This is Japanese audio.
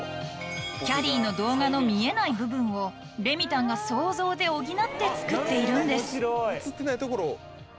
きゃりーの動画の見えない部分をレミたんが想像で補って作っているんです